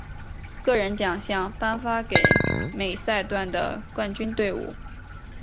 个人奖项颁发给每赛段的冠军队伍。